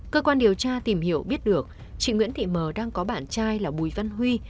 cơ quan điều tra tìm hiểu biết được chị nguyễn thị mờ đang có bạn trai là bùi văn huy